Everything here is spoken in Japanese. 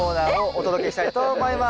お届けしたいと思います。